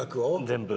全部。